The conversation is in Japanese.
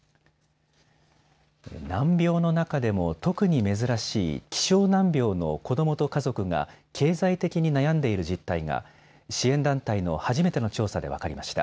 難病の中でも特に珍しい希少難病の子どもと家族が経済的に悩んでいる実態が支援団体の初めての調査で分かりました。